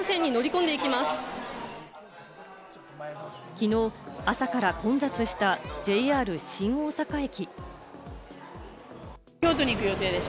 きのう朝から混雑したＪＲ新大阪駅。